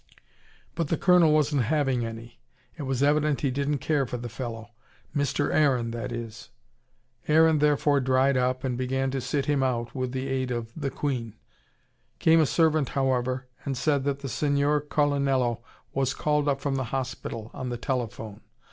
But the Colonel wasn't having any. It was evident he didn't care for the fellow Mr. Aaron, that is. Aaron therefore dried up, and began to sit him out, with the aid of The Queen. Came a servant, however, and said that the Signor Colonello was called up from the hospital, on the telephone.